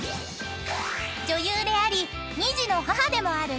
［女優であり２児の母でもあるきくりん］